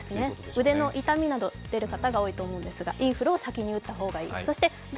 腕の痛みなど出る方がいるかと思いますが、インフルを先に打った方がいい。